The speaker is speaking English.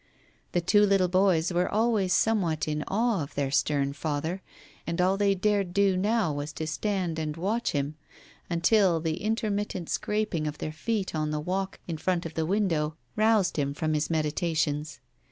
The two little boys were always somewhat in awe of their stern father, and all they dared do now was to stand and watch him, until the intermittent scraping of their feet on the walk in front of the window roused him from his meditations.